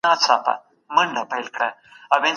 اسلام د تورو تیارو څخه د وهمېشهو یوازینی مشعل دی.